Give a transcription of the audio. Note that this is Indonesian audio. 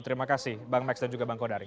terima kasih bang max dan juga bang kodari